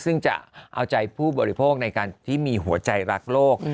ซึ่งจะเอาใจผู้บริโภคในการที่มีหัวใจรักโลก